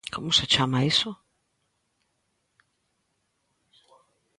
¿Como se chama a iso?